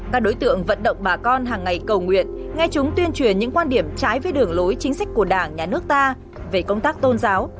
các đối tượng vận động bà con hàng ngày cầu nguyện nghe chúng tuyên truyền những quan điểm trái với đường lối chính sách của đảng nhà nước ta về công tác tôn giáo